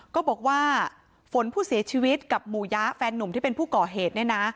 ก็บอกว่าฝนผู้เสียชีวิตกับหมู่ยะแฟนนุ่มที่เป็นผู้ก่อเหตุเนี่ยนะ